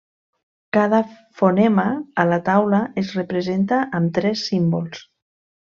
Cada fonema a la taula es representa amb tres símbols.